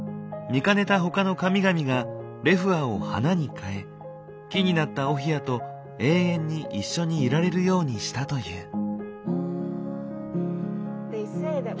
見かねた他の神々がレフアを花に変え木になったオヒアと永遠に一緒にいられるようにしたという。